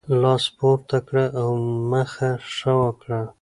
لاس پورته کړه او مخه ښه وکړه.